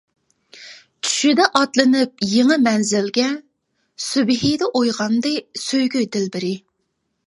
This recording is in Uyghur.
چۈشىدە ئاتلىنىپ يېڭى مەنزىلگە، سۈبھىدە ئويغاندى سۆيگۈ دىلبىرى.